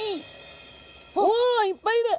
おいっぱいいる！